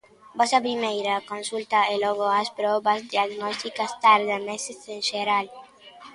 Vas á primeira consulta e logo as probas diagnósticas tardan meses en xeral.